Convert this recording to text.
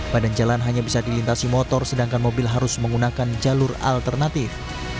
badan jalan hanya bisa dilintasi motor sedangkan mobil harus menggunakan jalur alternatif